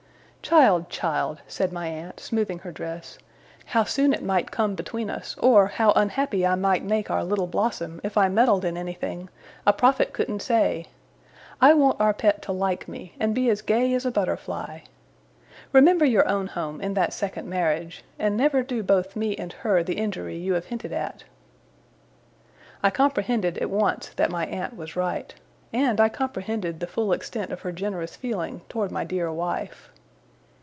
'Child, child!' said my aunt, smoothing her dress, 'how soon it might come between us, or how unhappy I might make our Little Blossom, if I meddled in anything, a prophet couldn't say. I want our pet to like me, and be as gay as a butterfly. Remember your own home, in that second marriage; and never do both me and her the injury you have hinted at!' I comprehended, at once, that my aunt was right; and I comprehended the full extent of her generous feeling towards my dear wife.